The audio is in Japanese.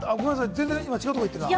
全然、今、違うところ言ってた。